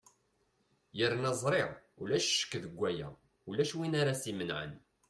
yernu ẓriɣ ulac ccek deg waya ulac win ara s-imenɛen